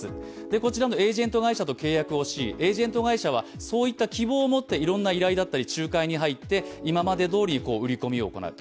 こちらのエージェント会社と契約しエージェント会社はそういった希望を持って営業だったり仲介に入って、今までどおり売り込みを行う。